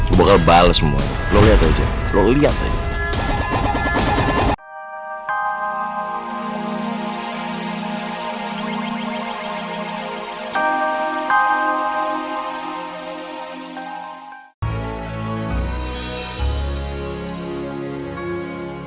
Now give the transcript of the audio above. gue bakal bales semua itu lo liat aja algae alabama khidmat